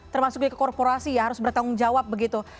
termasuk juga korporasi ya harus bertanggung jawab begitu